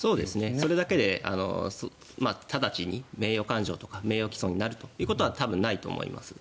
それだけで直ちに名誉感情とか名誉棄損になるということは多分、ないと思います。